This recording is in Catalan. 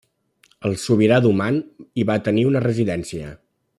El sobirà d'Oman hi va tenir una residència.